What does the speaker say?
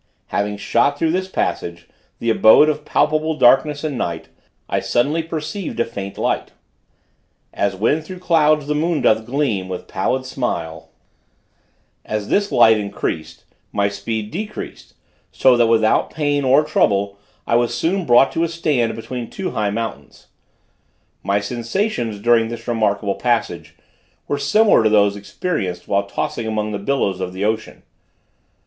Having shot through this passage, the abode of palpable darkness and night, I suddenly perceived a faint light. As when through clouds the moon doth gleam With pallid smile. As this light increased, my speed decreased, so that without pain or trouble, I was soon brought to a stand between two high mountains. My sensations, during this remarkable passage, were similar to those experienced while tossing among the billows of the ocean.